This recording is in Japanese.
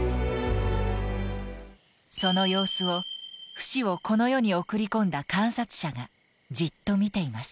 その様子をフシをこの世に送り込んだ観察者がじっと見ています。